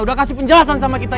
udah kasih penjelasan sama kita